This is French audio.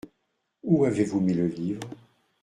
Où avez-vous mis le livre ?